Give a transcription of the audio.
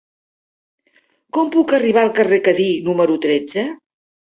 Com puc arribar al carrer del Cadí número tretze?